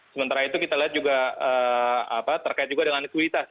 sementara itu kita lihat juga terkait juga dengan likuiditas